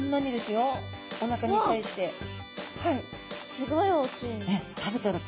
すごいおっきい。